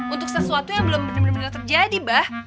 untuk sesuatu yang belum bener bener terjadi abah